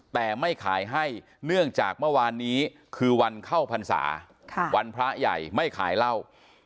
แต่ไม่ขายให้เนื่องจากเมื่อวานนี้คือวันเข้าพรรษาวันพระใหญ่ไม่ขายเหล้า